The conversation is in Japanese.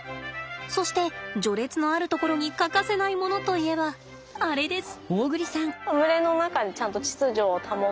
そして序列のあるところに欠かせないものといえばあれです。